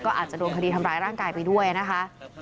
ก็อาจจะโดนคดีทำร้ายร่างกายไปด้วยนะคะ